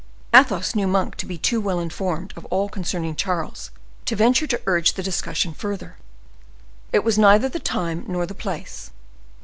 Athos knew Monk to be too well informed of all concerning Charles to venture to urge the discussion further; it was neither the time nor the place.